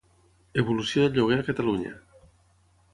Evolució del lloguer a Catalunya.